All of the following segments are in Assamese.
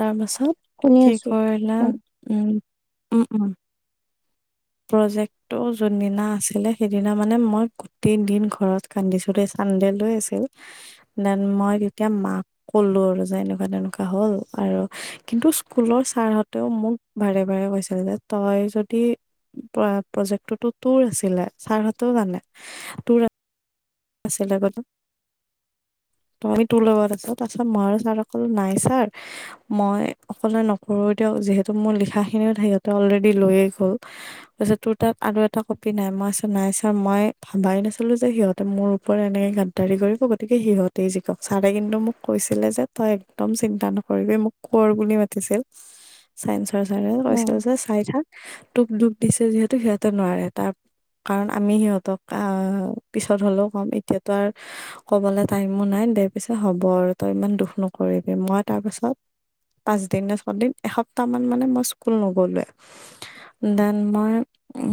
তাৰ পাছত শুনি কি আছো কৰিলা? কোৱা উম উম উম'। প্ৰজেক্টটো যোনদিনা আছিলে সেইদিনা মানে মই গোটেই দিন ঘৰত- কান্দিছো চানডেল লৈ আছিল দেন মই তেতিয়া মাক- কলো আৰু যে এনেকুৱা তেনেকুৱা হ'ল আৰু কিন্তু স্কুলৰ ছাৰ হতেও মোক- বাৰে বাৰে কৈছিল যে, তই যদি- তয় প্ৰজেক্টটোটো তুৰ আছিলে ছাৰ হতেও জানে। তোৰ- আছিল আগতে ত আমি তোৰ লগত আছো তাৰপিছত ময়ুৰ ছাৰক কলো নাই ছাৰ মই অকলে নকৰো দিয়ক যিহেতু মোৰ লিখাখিনিও সিহঁতে অলৰেডি লৈয়ে গ'ল তোৰ তাত আৰু এটা কপি নাই মই নাই ছাৰ মই ভাবাই নাছিলো যে সিহঁত মোৰ ওপৰত এনেকৈ গাদ্দাৰি কৰিব গতিকে সিহঁতেই জিকক ছাৰে কিন্তু মোক কৈছিলে যে তই একদম চিন্তা নকৰিবি মোক কোঁৱৰ বুলি মাতিছিল [unintelligible] চাইঞ্চ ছাৰে উম কৈছিল যে চাই থাক টোক দুখ দিছে যিহেতু সিহঁতে নোৱাৰে তাৰ কাৰণ আমি সিহঁতক আহ পিছত হলেও কম এতিয়াতো আৰু ক'বলৈ টাইমো নাই দে পিছে হ'ব আৰু তই ইমান দুখ নকৰিবি মই তাৰপিছত পাঁচদিন ন ছদিন এসপ্তাহ মান মানে মই স্কুল নগ'লোৱে দেন মই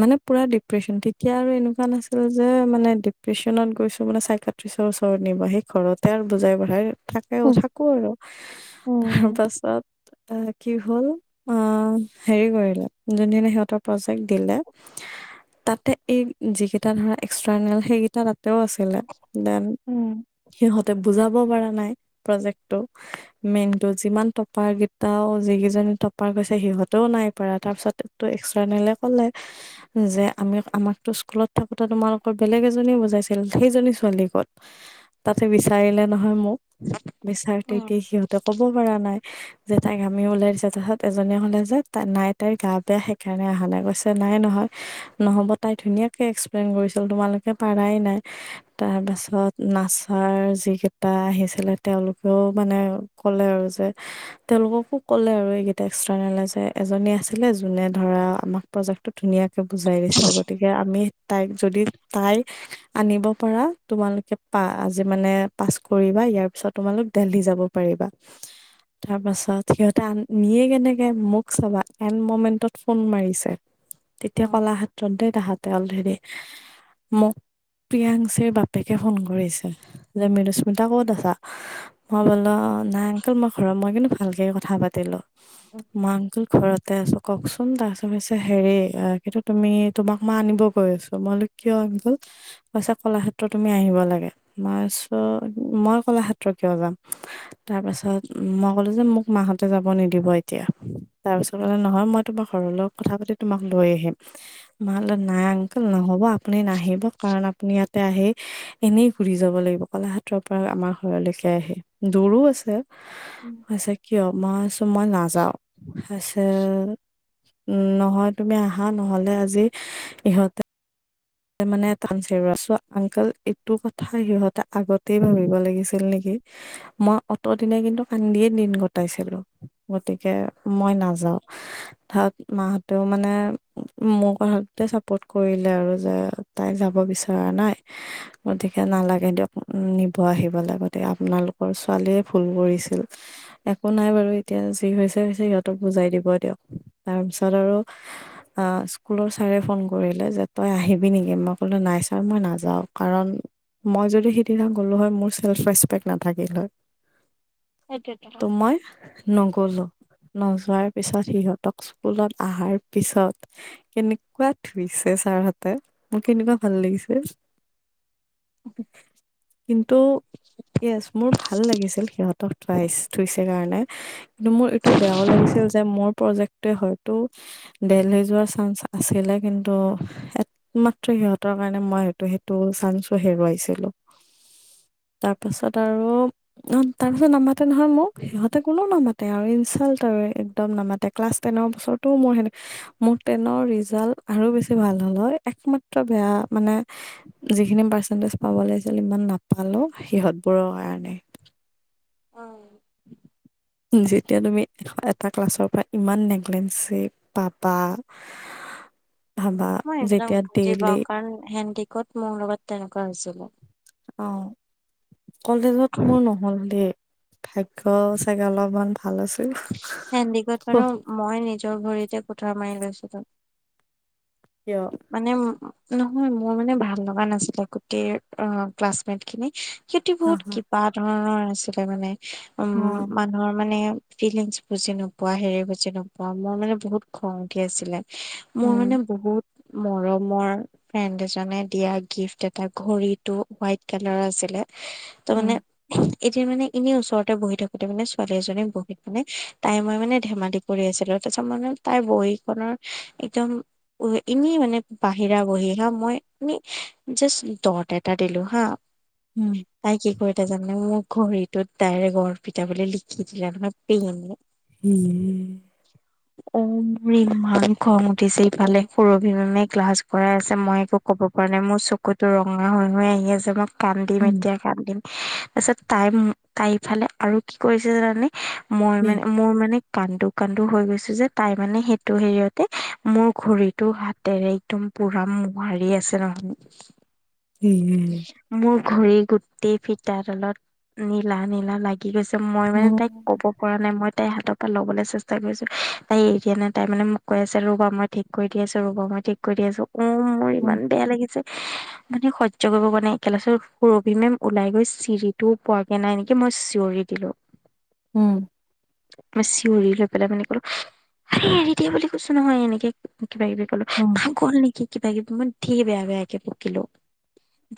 মানে পুৰা ডিপ্ৰেচন তেতিয়া আৰু এনেকুৱা নাছিল যে মানে ডিপ্ৰেছনত গৈছো মানে চাইক্ৰেচৰ ওচৰত নিব সেই ঘৰতে আৰু বুজাই বঢ়াই থাক উম থাকো আৰু উম তাৰ পাছত এ কি হ'ল অ হেৰি কৰিলে যোনদিনা সিহঁতৰ প্ৰজেক্ট দিলে তাতে এই যিকেইটা ধৰা এক্সটাৰ্নেল সেইকেইটা এ তাতেও আছিলে দেন উম সিহঁতে বুজাব পৰা নাই প্ৰজেক্টটো মেন যিমান টপাৰ কেইটাও যিকেইজনে টপাৰ গৈছে সিহঁতেও নাই পৰা তাৰ পিছত এক্সট্ৰানেল ক'লে যে আমি আমাকতো স্কুলত থাকোতে তোমালোকৰ বেলেগ এজনীক ছিল সেইজনী ছোৱালী কত তাতে বিচাৰিলে নহয় মোক বিচাৰ তেতিয়া সিহঁতে ক'ব পৰা নাই যে তাইক আমি ওলাই দিছে তাৰ পিছত এজনে হলে যে নাই তাইৰ গা বেয়া সেইকাৰণে অহা নাই গৈছে নাই নহয় নহ'ব তাই ধুনীয়াকে এক্সপ্লেইন কৰিছিল তোমালোকে পাৰাই নাই তাৰ পাছত নাচাৰ যিকেইটা আহিছিলে তেওঁলোকেও মানে ক'লে আৰু যে তেওঁলোককো কলে আৰু এইকেইটা এক্সট্ৰলেন যে এজনী আছিলে যোনে ধৰা আমাক প্ৰজেক্টটো ধুনীয়াকে বুজাই দিছিলে গতিকে আমি তাইক যদি তাই আনিব পাৰা তোমালোকে পৰা আজি মানে পাছ কৰিবা ইয়াৰ পিছত তোমালোক দেলহি যাব পাৰিবা তাৰ পাছত সিহঁতে নিয়ে কেনেকে মোক চাবা এন মমেন্টত ফোন মাৰিছে [unintelligible] তেতিয়া কলাক্ষেত্ৰত দেই তাহাঁতে অলৰেড মোক প্ৰিয়াংশিৰ বাপেকে ফোন কৰিছে যে মৰুুস্মিতা ক'ত আছা মই বোলোঁ নাঙ অংক মই ঘৰত মই কিন্তু ভালকে কথা পাতিলো মই অংকল ঘৰতে আছো কওকচোন তাৰপিছত হৈছে হেৰি কিন্তু তুমি তোমাক মই আনিব গৈ আছো মই বোলোঁ কিয় আনকুল পাছে কলাক্ষেত্ৰ তুমি আহিব লাগে মই মই কলাক্ষেত্ৰ কিয় যাম তাৰ পাছত মই কলো যে মোক মাহতে যাব নিদিব এতিয়া তাৰপিছত মানে নহয় মই তোমাৰ ঘৰৰ লগত কথা পাতি তোমাক লৈ আহিম ম নাই অংকেল নহ'ব আপুনি নাহিব কাৰণ আপুনি ইয়াতে আহি এনেই ঘুৰি যাব লাগিব কলাক্ষেত্ৰৰ পৰা আমাৰ ঘৰলৈকে আহি দূৰও আছে উম পাছে কিয় মইছো মই নাযাওঁ পাছে উম নহয় তুমি আহা নহলে আজি ইহঁতে মানে টান চ চ' আংকল এইটো কথা সিহঁতে আগতেই ভাবিব লাগিছিল নেকি, মই অত দিনে কিন্তু কান্দিয়ে দিন কটাইছিলো। গতিকে মই নাযাওঁ। তাত মাহতেও মানে মোৰ কথাতে চাপৰ্ট কৰিলে আৰু, যে তাই যাব বিচৰা নাই, [unintelligible] গতিকে নালাগে দিয়ক নিব আহিবলৈ গতিকে আপোনালোকৰ ছোৱালীয়ে ভুল কৰিছিল। একো নাই বাৰু এতিয়া যি হৈছে হৈছে সিহঁতক বুজাই দিব দিয়ক, তাৰপিছত আৰু আ স্কুলৰ চাৰে ফোন কৰিলে যে, তই আহিবি নেকি, মই ক'লোঁ নাই ছাৰ মই নাযাওঁ কাৰণ মই যদি সিদিনা গ'লো হয় মোৰ চেল্ফ ৰেচপেক্ট নাথাকিল হয়। সেইটোৱেটো। মই নগলো। নযোৱাৰ পিছত সিহঁতক স্কুলত অহাৰ পিছত, কেনেকুৱা ধুইছে ছাৰ হতে মোৰ কেনেকুৱা ভাল লাগিছে। [unintelligible] কিন্তু য়েছ মোৰ ভাল লাগিছিল সিহঁতক ট্ৰাইস্ত থৈছে কাৰণে, কিন্তু মোৰ এইটো বেয়াও লাগিছিল যে মোৰ প্ৰজেক্টোৱে হয়তো, দিল্লী যোৱাৰ চান্স আছিলে কিন্তু, মাত্ৰ সিহঁতৰ কাৰণে মই সেইটো সেইটো চানঞ্চো হেৰুৱাইছিলো। তাৰ পাছত আৰু অ তাহাতে নামাতে নহয় মোক সিহঁতে কোনো নামাতে, তাতে আৰু ইনচাল্ট আৰু একদম নামাতে ক্লাছ টেনৰ বছৰতো মউ হে, মোৰ টেনৰ ৰিজাল আৰু বেছি ভাল হল হয়, একমাত্ৰ বেয়া মানে, যিখিনি পাৰ্চেণ্টেজ পাব লাগিছিল ইমান নাপালো সিহঁতবোৰৰ কাৰণে, অঁ যেতিয়া তুমি এ এটা ক্লাছৰ পৰা ইমান নেগলেঞ্চি পাবা। [unintelligible] ভাবা মই এইবিলাক যেতিয়া বুজি পাও ডেইলি কাৰণ হেণ্ডিকত মোৰ লগত তেনেকুৱা হৈছিলে। অ কলেজত মোৰ নহল দেই, ভাগ্য চাগে অলপমান ভাল আছিল। হেণ্ডিকত বাৰু মই নিজৰ ভৰিতে কোঠাৰ মাৰি লৈছিলো। কিয়? মানে নহয় মোৰ মানে ভাল লগা নাছিলে গোটেই অ ক্লাছমেট খিনি। হিয়তি হা বহুত হা কিবা ধৰণৰ আছিলে মানে উম অ মান, মানুহৰ মানে ফিলিংছ বুজি নোপোৱা হেৰি বুজি নোপোৱা মোৰ মানে বহুত খং উঠি আছিলে। মোৰ উম মানে বহুত মৰমৰ, ফ্ৰেণ্ড এজনে দিয়া গিফ্ট এটা ঘড়ীটো হোৱাইট কালাৰ আছিলে। তা কি মানে, এতিয়া মানে এনেই ওচৰতে বহি থাকোতে মানে ছোৱালী এজনী বহিত মানে তাই মই মানে ধেমালি, কৰি আছিলো তাৰপিছত মানে তাইৰ বহীখনৰ একদম, এনেই মানে বাহিৰা বহি হা মই এনেই জাষ্ট দট এটা দিলো হা, [inaudible] উম তাই কি কৰিলে জানানে মোৰ ঘড়ীটোত ডাইৰেক্ট অৰ্পিতা বুলি লিখি দিলে নহয় পেইনে, উম অ মোৰে ইমান খং উঠিছে ইফালে সুৰভি মেমে ক্লাছ কৰাই আছে মই একো ক'ব পৰা নাই মোৰ চকুতো ৰঙা হৈ হৈ আহি আছে মই কান্দিম এতিয়া কান্দিম তাৰপিছত তাই তাই ইফালে আৰু কি কৰিছে জানানে মই মানে মোৰ মানে কান্দো কান্দো হৈ গৈছো যে তাই মানে সেইটো হেৰিয়তে মোৰ ঘড়ীত টো হাতেৰে একদম পুৰা মোহাৰি আছে নহয় মোৰ ঘড়ী গোটেই ফিটা ডালত নীলা নীলা লাগি গৈছে মই মানে তাইক ক'ব পৰা নাই মই তাই হাতৰ পৰা ল'বলৈ চেষ্টা কৰিছো তাই এৰি দিয়া নাই তাই মানে মোক কৈ আছে ৰবা মই ঠিক কৰি দি আছো ৰবা মই ঠিক কৰি দি আছো অ মোৰ ইমান বেয়া লাগিছে মানে সহ্য কৰিব পৰা নাই একে লাষ্টত সুৰভি মেম ওলাই গৈ চিৰিটোও পোৱাগে নাই নিকি মই চিঞৰি দিলো [inaudible] উম মই চিঞৰি লৈ পেলাই মানে কলো আৰে এৰি দিয়া বুলি কৈছো নহয় এনেকে কিবা কিবি কলো পাগল নেকি কিবাকিবি মই ধেৰ বেয়া বেয়াকে বকিলো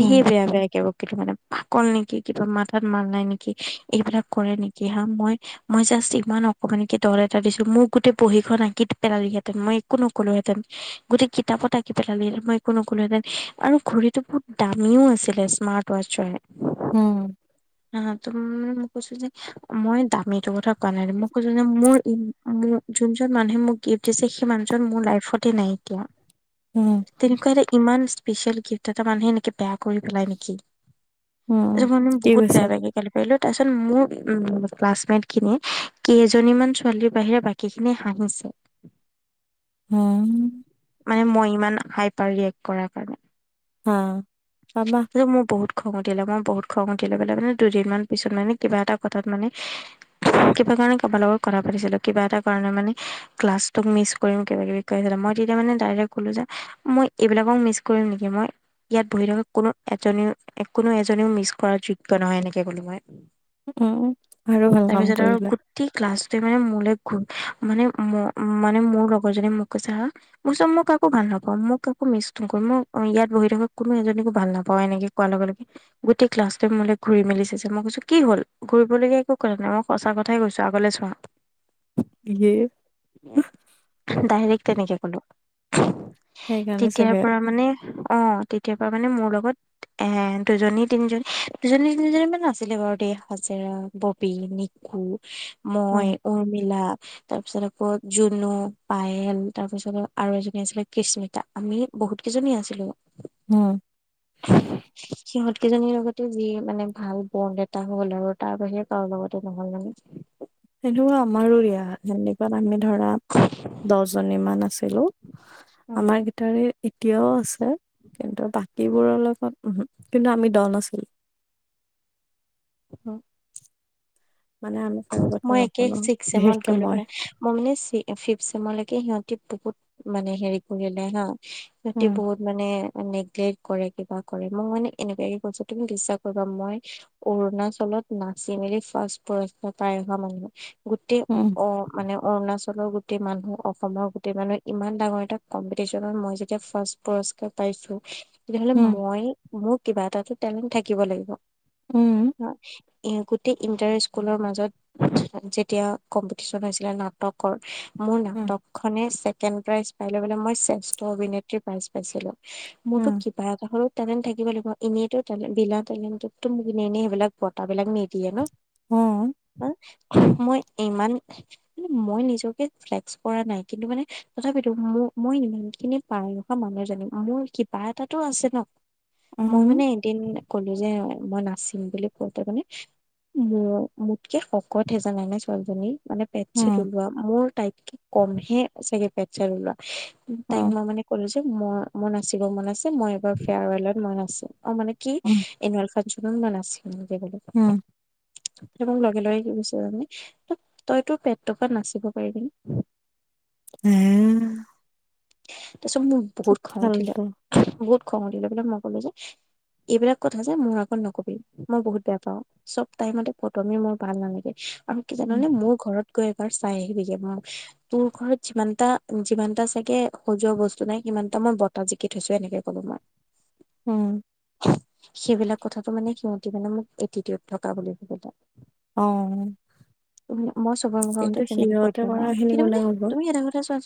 ধেৰ বেয়া বেয়াকে বক কিলো মানে পাগল নিকি কিবা মাথাত মাল নাই নিকি এইবিলাক কৰে নিকি হা মই মই জাষ্ট ইমান অকণমানিকে দট এটা দিছো মোক গোটেই বহিখন আঁকি পেলালিগে ত মই ন কলো হেতেন গোটেই কিতাপত আঁকি পেলালি মই একো নক'লোহেঁতেন আৰু ঘড়ীটো বহুত দামীও আছিলে স্মাৰ্ট। ৱাচ হয় উম নাহাতোন কৈইছো যে মই দামীটো কথা কোৱা নাই মই কৈছো যে মোৰ মোৰ যোন যোনজন মানুহে মোক গিফ্ট দিছে সেই মানুহজন মোৰ লাইফতে নাইকীয়া। উম তেনেকুৱা এটা ইমান স্পেচিয়েল গিফ্ট এটা মানুহে এনেকে বেয়া কৰি পেলাই নিকি। এইটো কাৰণে মই বহুত বেয়া কৈছা? বেয়াকে গালি পাৰিলো তাৰ পিছত মোৰ উম ক্লাছমেট খিনি কেইজনীমান ছোৱালীৰ বাহিৰে বাকী কেখিনি হাঁহিছে হম মানে মই ইমান হাইপাৰ ৰিয়েক্ট কৰাৰ কাৰণে অ তাপা যে মোৰ বহুত খং উঠিলে মই বহুত খং উঠিলে বোলে মানে দুদিন মান পিছত মানে কিবা এটা কথাত মানে কিবা কাৰণে কাবাৰ লগত কথা পাতিছিলো কিবা এটা কাৰণে মানে ক্লাছটো মিছ কৰিম কিবা কিবি কৈ আছিলে মই তেতিয়া মানে ডাইৰেক্ট কলো যে মই এইবিলাকক মিছ কৰিম নিকি মই ইয়াত বহি থকা কোনো এজনীও কোনো এজনীও মিছ কৰা যোগ্য নহয় এনেকে ক'লো মই। উম আৰু ভাল কাম কৰিলা। এই ক্লাছটোৱে মানে মোলে গ মানে ম মানে মোৰ লগৰ জনী মোক কৈছে হা মই কৈছো মই কাকো ভাল নাপাওঁ মোক কাকো মিছ নকৰো মই ইয়াত বহি থকা কোনো এজনীকো ভাল নাপাওঁ এনেকে কোৱাৰ লগে লগে গোটেই ক্লাছটোৱে মোলে ঘূৰি মেলি চাইছে মই কৈছো কি হল? ঘূৰিবলগীয়া একো কথা নাই মই সঁচা কথাই কৈছো আগলে চোৱা। সে উম ডাইৰেক্ট তেনেকে কলো সেইকাৰণে তেতিয়াৰ চাগে পৰা মানে অ তেতিয়া পা মানে মোৰ লগত এ দুজনী তিনিজনী দুজনী তিনিজনী মান আছিলে বাৰু দেই হাচিৰা ববি নি উম, মই উৰ্মিলা তাৰপিছত আকৌ জুনু। পায়েল তাৰ পিছত আৰু এজনী আছিলে কৃচস্মিতা আমি বহুত কেইজনী আছিলো। উম [unintelligible] সিহঁত কেইজনীৰ লগতে যি মানে ভাল বন্ড এটা হ'ল আৰু তাৰ বাহিৰে কাৰো লগতে নহল মানে। উম। সেনেকুৱা আমাৰো ইয়া যেনেকুৱা আমি ধৰা। দহ জনী মান আছিলো উম আমাৰ গিটাৰে এতিয়াও আছ কি কিন্তু বাকীবোৰৰ লগত কিন্তু আমি দল আছিলোঁ উম মানে আমি কাৰো কথা মই একে নুশুনো চিক চেমত বিশেষকে গলোঁ মই হয়। মই মানে চিক ভিট চেমলে সিহঁতে বহুত মানে হেৰি কৰিলে হা। সিহঁতি উম, বহুত। মানে নেগলেট কৰে কিবা কৰে মোক মানে এনেকুৱাকে কৈছো তুমি বিশ্বাস কৰিবা মই। অৰুণাচলত নাচি মেলি ফাৰ্ষ্ট পাইজ পায় অহা মানুহে গোটেই উম। অহ। মানে অৰুণাচলৰ গোটেই মানুহ অসমৰ গোটেই মানুহ ইমান ডাঙৰ এটা কম্পিটিশ্যন হয় মই যেতিয়া ফাৰ্ষ্ট। পুৰস্কাৰ পাইছো তেতিয়াহলে মই মোৰ কিবা এটা টেলেণ্ট থাকিব লাগিব। উম হয় এই গোটেই ইণ্টাৰেষ্ট। স্কুলৰ মাজত যেতিয়া কম্পিটিচন হৈছিলে নাটকৰ। মোৰ নাটকখনে ছেকেণ্ড প্ৰাইজ পায় লৈ মানে মই শ্ৰেষ্ঠ অভিনেত্ৰী প্ৰাইজ পাইছিলোঁ। মোৰ তো কি কিবা হলো তেলেণ্ট থাকিব লাগিব এনেই বিলা তেলেন্টতো মোক এনে সেইবিলাক বটাঁবিলাক নিদিয়ে ন। অহ। হয় মই ইমান মই নিজকে টেক্সচ কৰা নাই কিন্তু মানে তথাপিতো মোৰ মই ইমানখিনিত পাৰো বা মানুহ জানিম মোৰ কিবা এটাতো আছে ন। মই মানে এদিন কলো যে মই নাচিম বুলি কওঁতে মানে। মোৰো মোতকে শকত সেইজান নাই নাই ছোৱালীজনী মানে পেট চেট ওলোৱা মোৰ টাইক। কম হে চাগে পেট চেট ওলোৱা তাই মই মানে। কলো যে মই মই নাচিব মন আছে মই এবাৰ ফেয়াৰৱেলত মই নাচো। অ মানে কি এনুৱেল ফাংচন মই নাছিল। উম তোৰ মোক লগে লগে কি কৈছে ত তইতো পেটতো পা নাচিব পাৰিবি নে। হেহ। তাৰ পিছত মোৰ বহুত খং উঠিলে ফাল্টু বহুত খং উঠিলে বোলে মই কলোঁ যে। এইবিলাক কথা যে মোৰ আগত নকবি মই বহুত বেয়া পাওঁ। চব টাইমতে ফটুৱামী মোৰ ভাল নালাগে আৰু কি জান উম নে মোৰ ঘৰত। গৈ এবাৰ চাই আহিবিগে মই তোৰ ঘৰত যিমানটা যিমানটা চাগে সজোৱা বস্তু নাই সিমানতো মই বঁটা জিকি থৈছো এনেকে কলো মই। উম। উম সেইবিলাক কথাটো মানে সিঁহতি মানে মোক এটিটিড থকা বুলি ভাবিলে। অ মই চবৰে মতে কিন্তু তেনেকে কৈ সিহঁতে দিলো ন কৰা খিনি কিন্তু কোনে মানে ক'ব তুমি এটা কথা। কৈ চোৱা চোৱা।